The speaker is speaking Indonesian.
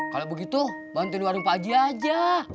kalau begitu bantuin warung pak haji aja